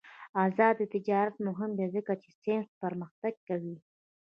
آزاد تجارت مهم دی ځکه چې ساینس پرمختګ کوي.